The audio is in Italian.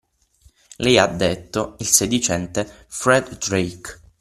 Lei ha detto: il sedicente Fred Drake.